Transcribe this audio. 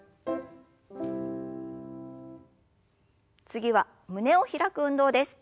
次は胸を開く運動です。